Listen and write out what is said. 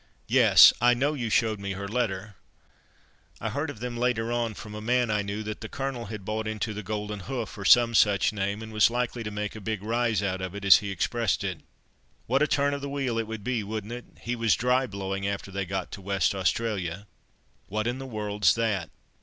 Yes, I know, you showed me her letter." "I heard of them later on, from a man I knew, that the Colonel had bought into the 'Golden Hoof,' or some such name, and was likely to make a big rise out of it, as he expressed it. What a turn of the wheel it would be, wouldn't it? He was 'dry blowing' after they got to West Australia." "What in the world's that?"